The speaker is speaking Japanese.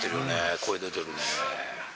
声出てるね。